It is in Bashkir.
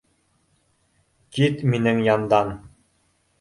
Кит минең яндан